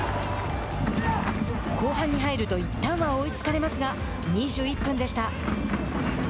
後半に入るといったんは追いつかれますが２１分でした。